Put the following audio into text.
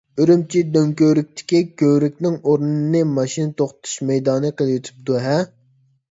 ئۈرۈمچى دۆڭكۆۋرۈكتىكى كۆۋرۈكنىڭ ئورنىنى ماشىنا توختىتىش مەيدانى قىلىۋېتىپتۇ-ھە.